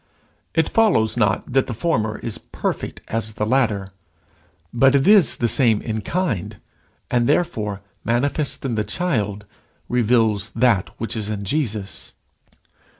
It follows not that the former is perfect as the latter, but it is the same in kind, and therefore, manifest in the child, reveals that which is in Jesus.